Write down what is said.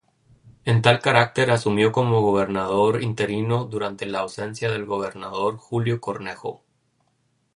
En tal carácter, asumió como gobernador interino durante la ausencia del gobernador Julio Cornejo.